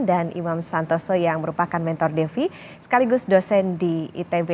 dan imam santoso yang merupakan mentor devi sekaligus dosen di itb